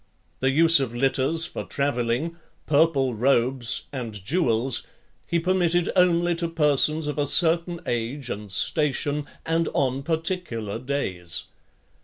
The use of litters for travelling, purple robes, and jewels, he permitted only to persons of a certain age and station, and on particular days.